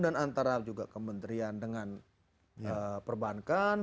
dan antara juga kementerian dengan perbankan